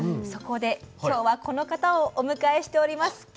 そこで今日はこの方をお迎えしております。